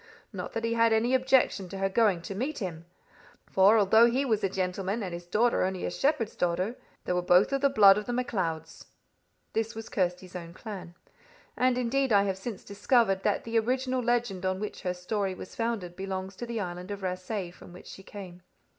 Not that he had any objection to her going to meet him; for although he was a gentleman and his daughter only a shepherd's daughter, they were both of the blood of the MacLeods." This was Kirsty's own clan. And indeed I have since discovered that the original legend on which her story was founded belongs to the island of Rasay, from which she came.